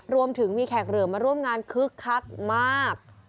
รวมถึงมีแขกเหลือมาร่วมงานคึกคักมาก